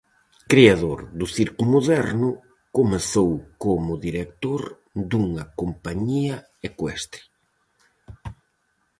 Creador do circo moderno, comezou como director dunha compañía ecuestre.